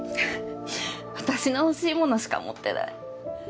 私が欲しいものしか持ってない。